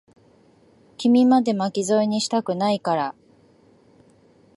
君まで、巻き添えにしたくないから。